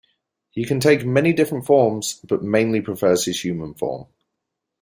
He can take many different forms but mainly prefers his human form.